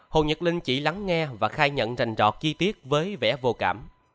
hồ nhật linh chỉ lắng nghe và khai nhận rành trọt chi tiết với vẻ vô cảm